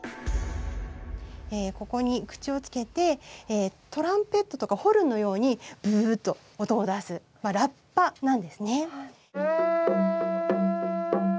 ここに口をつけてトランペットとかホルンのように「ブー」と音を出すラッパなんですね。